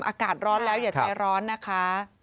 อากาศร้อนแล้วอย่าใจร้อนนะคะ